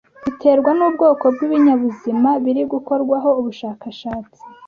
biterwa n'ubwoko bw'ibinyabuzima biri gukorwaho ubushakashatsi